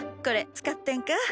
これ使ってんか。